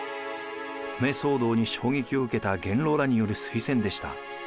米騒動に衝撃を受けた元老らによる推薦でした。